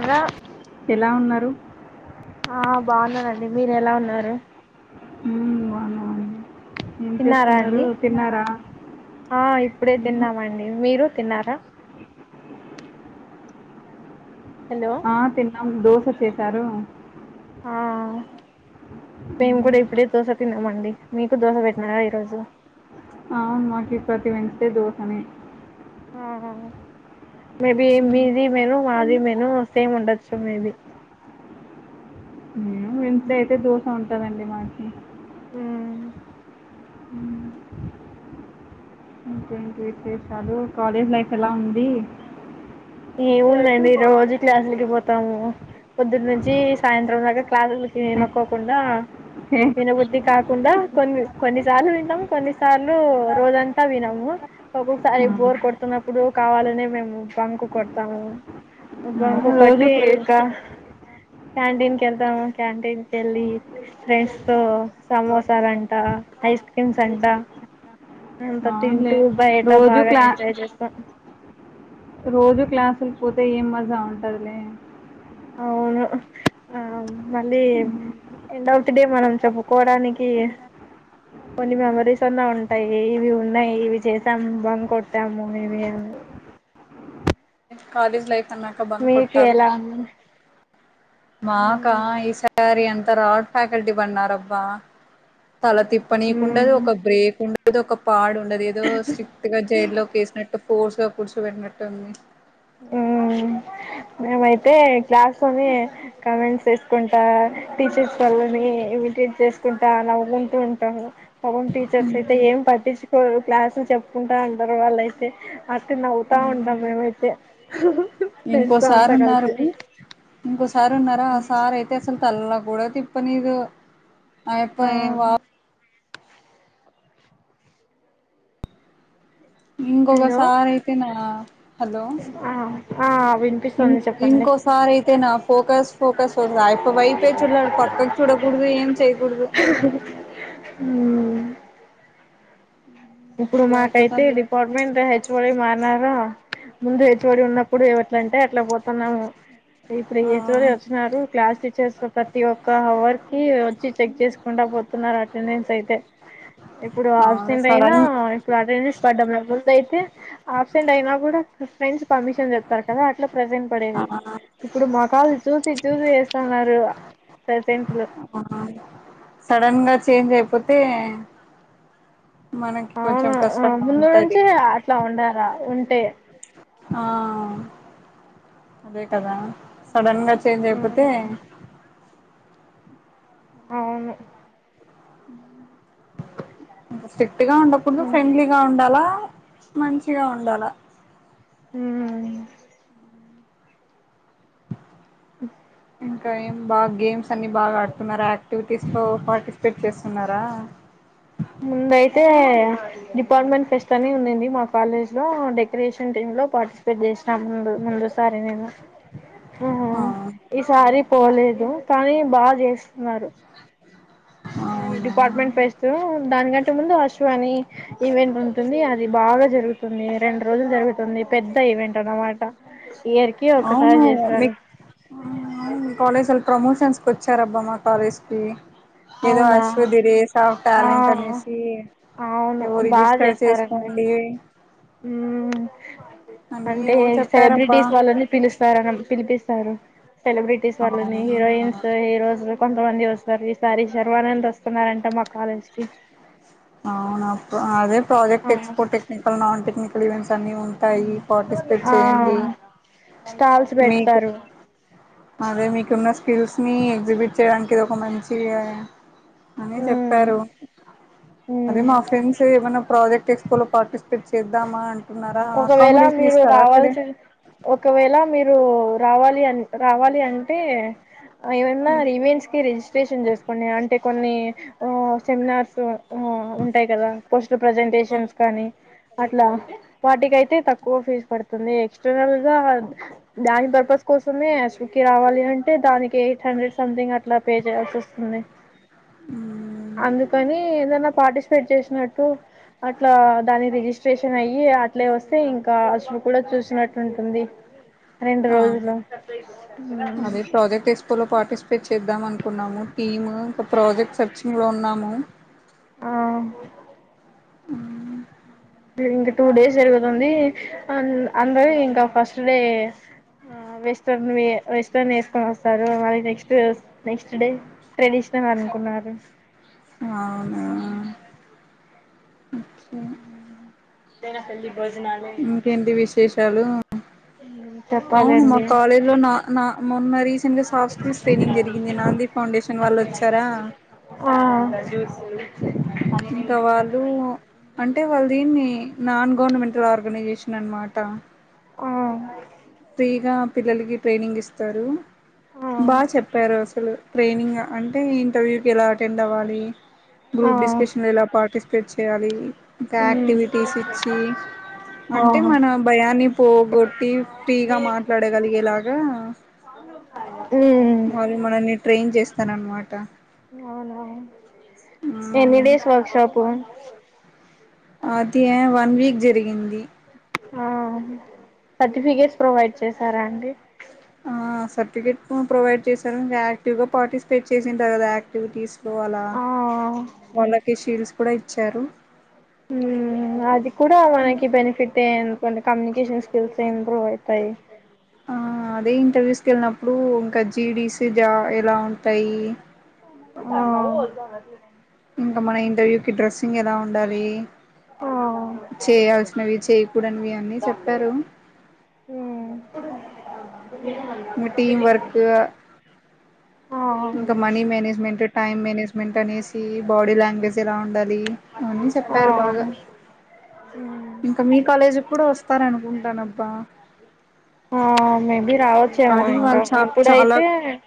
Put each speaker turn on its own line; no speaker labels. అలా
ఎలా ఉన్నారు
ఆ బాగున్నానండి మీరు ఎలా ఉన్నారు
ఉ బానే వున్నా
తిన్నారా అండి ఆ ఇప్పుడే
మ్మ్.
తిన్నామండి మీరు తిన్నారా హలో
ఆ తిన్నం డు ఒచ్చసారు
ఆ మేము
మ్మ్.
కూడా ఇప్పుడే దోశ తిన్నామండి మీకు దోశ పెట్టినారా ఈరోజు
ఆ మాకు ఇ ప్రతి వెడ్నెస్డే దోసని
ఆహ మేబి మీది మేను మాది మేను సేమ్ ఉండొచ్చు మేబి
వెనేస్డే అయితే దోశ ఉంటుందండి మాకి
ఊ
అ ఇంకేంటి విశేషాలు కాలేజ్ లైఫ్ ఎలా ఉంది
ఏవునండి రోజు క్లాసులకి పోతాము పొద్దున్న నుంచి సాయంత్రం దాకా క్లాసులకి ఇనక్కోకుండా
ఏ,
ఇన బుద్ధి కాదు కుడా కొన్ని కొన్నిసార్లు వింటాము కొన్నిసార్లు రోజంతా వినము ఒక్కొక్కసారి
ఆ,
బోర్ కొడుతున్నప్పుడు కావాలనే మేము బంకు కొడతాము
ఆ,
బాంకు
రోజు
కొట్టి
క్లా-
ఇంకా క్యాంటీన్ కెళ్తాము క్యాంటీన్ కెళ్ళి ఫ్రెండ్స్ తో సమోసాలంట ఐస్ క్రీమ్స్ అంట ఉ కొట్టి
అవునులే
టూ బై ఏటా
రోజు
బాగా
క్లా
ఎంజాయ్ చేస్తాం
అసలు పోతే ఏం మజ ఉంటుందిలే
అవును ఆ మళ్ళీ ఎండ్ ఆఫ్ ది డే మనం చెప్పుకోడానికి కొన్ని మెమరీస్ అన్నా ఉంటాయి ఇవి ఉన్నాయి ఇవి చేసాము బం కొట్టాము ఇవి అని
కాలేజ్ లైఫ్ అన్నాక బంక్
మీకు
కొట్టాలి
ఎలా ఉం
మాకా ఈసారి అం త రాల్ట్ ఫ్యాకల్టీ బన్నారబ్బా తల తిప్పనీక్ ఉండదు.
ఉమ్
ఒక బ్రేక్ ఉం ఏదో ఒక పాడు ఉండది. ఏదో స్ట్రిక్ట్గా జైల్లో కేసినట్టు ఫోర్స్గా కూర్చోబెట్టినట్టు ఉంది.
ఉమ్ మేం అయితే క్లాస్లోని కామెంట్స్ వేస్కుంటా టీచర్స్ వల్ల వాళ్ళని ఇమిటేట్ చేస్కుంటా నవ్వుకుంటుంటము. పాపం టీచర్స్ అయితే ఏం పట్టించుకోరు. క్లాసులు చెప్పుకుంటా ఉంటారు వాళ్ళయితే అట్ నవ్వుతా ఉంటాం మేమైతే ఫ్రెండ్స్ తో
ఇంకోసార్
అంతా
ఉన్నారు.
కలిసి
ఇంకోసా సార్ ఉన్నారా ఆ సార్ అయితే అసలు తల్ల కూడా తిప్పనీరు. అయప్పో
ఆ
ఏం వాప్
హలో
ఇంకొకసార్ అయితే నా హలో
ఆ ఆ
ఇం
వినిపిస్తుంది చెప్పండి
ఇంకోసార్ అయితే నా ఫోకస్ ఫోకస్ ఫ వైపే చూడడు పక్కకు చూడకూడదు ఏం చేయకూడదు.
మ్మ్ ఇప్పుడు
అట్లా
మాకైతే
అయిపోతంది
డిపార్ట్మెంట్ హెచ్ఓడి మారినారా ముందు హెచ్ఓడి ఉన్నప్పుడు ఎట్లంటే అట్ల పోతున్నాము. ఇప్పుడు ఈ హెచ్ఓడి
ఆ
వచ్చినారు క్లాస్ ప్రతి ఒక్క అవర్కి వచ్చి చెక్ చేస్కుంటా పోతున్నారు అటెండెన్స్ అయితే ఇప్పుడూ
అవును
అప్సెం టైనా
సడన్
ఇప్పుడు అటెండె [inaudible] ముందైతే అబ్సెంట్ అయినా గుడా ఫ్రెండ్స్ పర్మిషన్ చెప్తారు కదా అట్లా ప్రసెంట్
ఆ
పడేది ఇప్పుడు మోకాలు చూసి చూసి ఏస్తున్నారు ప్రసెంట్లు
సడన్గా చేంజ్ అయిపోతే మనకి కొంచెం
అవును.
కష్టంగా
ముందు
ఉంటది
నుంచే అట్లా ఉండరా ఉంటే
ఆ అదే కదా సడన్గా చేంజ్ అయిపోతే
అవును.
హ్మ్ హు స్ట్రిక్ట్ గా ఉండకూడదు ఫ్రెండ్లీగా ఉండాలా మంచిగా ఉండాల
హ్మ్ అ
ఇంకా ఎం బాగా గేమ్స్ అన్ని బాగా ఆడుతున్నారా [unintelligible] విటీస్లో పార్టిసిపేట్ చేస్తున్నారా
ముందయితే డిపార్ట్మెంట్ ఫెస్ట్ అని ఉందింది మా కాలేజ్ లో డెకరేషన్ టీం లో పార్టిసిపేట్ చేస్ నా ముందు ముందు సారి నేను
ఆ
హ్మ్ ఈసారి పోలేదు కానీ బాగా చేస్ వారు డిపార్ట్మెంట్
అవునా
ఫెస్ట్ దానికంటే ముందు అషు అని ఈవెంట్ ఉంటుంది అది బాగా జరుగుతుంది రెండు రోజులు జరుగుతుంది పెద్ద ఈవెంట్ అనమాట ఇయరికి
అవును
ఒకసారి చేస్తారు
మీకు వచ్చారబ్బ మా కాలేజ్ కి ఏదో
అవునా
అశ్వధిరేస్ అఫ్
ఆ
టాలెంట్ అనేసి
అవును
ఏవో రిజిస్టర్ చేసుకోండి
హ్మ్
అని
అంటే
ఏవో చెప్పారబ్బా
సెలబ్రిటీస్ వాళ్ళని పిలుస్తారు పిలిపిస్తారు సెలబ్రిటీస్ వాళ్ళని
అవునా
హీరోయిన్స్ హీరోస్ కొంతమంది వస్తారు ఈసారి షర్వానంద్ వస్తున్నారంట మా కాలేజ్ కి
అవునా అదే ప్రాజెక్ ఎక్స్పో టెక్నికల్ నన్ టెక్నికల్ [unintelligible] అన్ని ఉంటాయి పార్టిసిపేట్
ఆ
చేయండి
స్టాల్స్
మీకు
పెడతారు
అదే మీకున్న స్కిల్స్ని ఎగ్జిబిట్ చేయడానికి ఇది ఒక మంచి అని
ఉమ్
చెప్పారు అదే
ఉమ్
మా ఫ్రెండ్స్ ఏమైనా ప్రాజెక్ట్ షో లో పార్టిసిపేట్ చేద్దామా అ
ఒకవేళ మీరు రావాల్సిిన్ ఒకవేళ మీరు రావాలి అని రావాలి అంటే ఏమన్నా ఈవెంట్స్ కి రిజిస్ట్రేషన్ చేసుకోండి అంటే కొన్ని ఓ సెమినార్స్ ఆ ఉంటాయి కదా ఫస్ట్ ప్రజెంటేషన్స్ కానీ అట్లా వాటికి అయితే తక్కువ ఫీజు పడుతుంది ఎక్స్టర్నల్ గా దాని పర్పస్ కోసమే సుకి రావాలి అంటే దానికి ఎయిట్ హండ్రెడ్ సంథింగ్ ఇట్లా పే చేయాల్సి వస్తుంది
మ్మ్
అందు కాని ఏదన్నా పార్టిసిపేట్ చేసినట్టు అట్లా దాని రిజిస్ట్రేషన్ అయ్యి అట్లే వస్తే ఇంకా అసలు కూడా చూసినట్టు ఉంటుంది రెండు రోజులు
అదే ప్రాజెక్ట్ ఎస్పోలో పార్టిసిపేట్ చేద్దాం అనుకున్నాము టీమ్ ఒక ప్రాజెక్ట్ సర్చింగ్ లో ఉన్నాము
ఆ ఇంకా టూ డేస్ జరుగుతుంది అందరు ఇంకా ఫస్ట్ డే వెస్ట్రన్ వెస్ట్రన్ వేసుకొని వస్తారు మళ్ళ నెక్స్ట్ నెక్స్ట్ డ ట్రెడిషనల్ అనుకున్నారు
అచ్చా
దేన పల్లి
ఇంకేంటి విశేషాలు అవును మా
చెప్పాలండి
కాలేజ్ లో నా నా మొన్న రీసెంట్ గా సాఫ్ స్కూల్స్ ట్రైనింగ్ జరిగింది నాంది ఫౌండేషన్ వాళ్ళ వచ్చారా
స
ఇంకా వాళ్ళు అంటే వాళ్ళు దీన్ని నాన్ గవర్నమెంటల్ ఆర్గనైజేషన్ అనమాట
ఆ
ఫ్రీగా పిల్లలకి ట్రైనింగ్ ఇస్తారు
ఆ
బా చెప్పారు అసలు ట్రైనింగ్ అంటే ఇంటర్వ్యూకి ఎలా అటెండ్ అవ్వాలి గ్రూప్
ఆ
డిస్కషన్లో ఇలా పార్టిసిపేట్ చేయాలి ఇంకా యాక్టివిటీస్ ఇచ్చి అంటే
ఆహా
మన భయాన్ని పోగొట్టి గట్టి గమాట్లాడేగలిగేలాగా
అ
వాళ్ళ మనల్ని ట్రైన్ చేస్త స్తను అనమాట
అవును నేను ఇదే సంవత్సం లోపు
అది ఎవన్ వీక్ జరిగింది
ఆ సర్టిఫికేట్స్ ప్రొవైడ్ చేసారా అండి
ఆ సర్టిఫికెట్ ప్రొవైడ్ చేశారు ఇంకా యాక్టివ్ గా పార్టిసిపేట్ చేసినర్ కదా యాక్టివిటీస్ అలా
ఆ
వాళ్ళకి సీల్స్ ఇప్పుడె ఇచ్చారు
హ అది కూడా మనకి బనిఫిట్టే ఏ అంత ఇే కమ్యూనికేషన్ స్కిల్స్ ఇంప్రూవ్ అ యిపోయి
ఆ అదే ఇంటర్వ్యూస్క వెళ్ళినప్పుడు ఇంకా జీడిస జా ఎలా ఉంటాయి
ఆ
ఇంకా మన ఇంటర్వ్యూ కి డ్రెస్సింగ్ ఎలా ఉండాలి చేయాల్సినవి చేయకూడనివి అన్నీ చెప్పారు ఇంకా టీం వర్క్
ఆ ఆ
ఇంకా మనీ మేనేజ్మెంట్ టైం మేనేజ్మెంట్ అనేసి బాడీ లాంగ్వేజ్ ఎలా ఉండాలి అవన్నీ
ఆ
చెప్పారు బాగా
ఉమ్
ఇంకా మీ కాలేజీ కూడా వస్తార అనుకుంటానబ్బా
ఆ మేబి రావచ్చేమో
అది
ఇంకా
వాళ్ళు చాల చాలా
ఇప్పుడైతే